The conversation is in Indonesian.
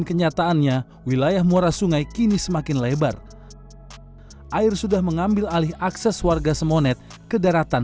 kenapa masih mutusin bertahan sebelumnya itu